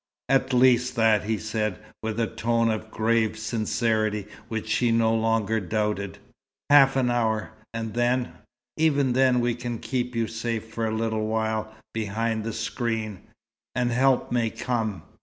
"At least that," he said, with a tone of grave sincerity which she no longer doubted. "Half an hour. And then " "Even then we can keep you safe for a little while, behind the screen. And help may come."